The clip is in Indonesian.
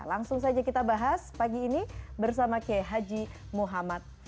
langsung saja kita bahas pagi ini bersama k h m f